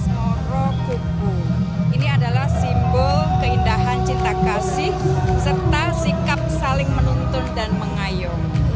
prokuku ini adalah simbol keindahan cinta kasih serta sikap saling menuntun dan mengayung